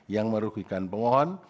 yang merugikan pemohon